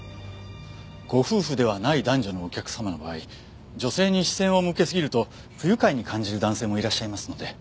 ご夫婦ではない男女のお客様の場合女性に視線を向けすぎると不愉快に感じる男性もいらっしゃいますので。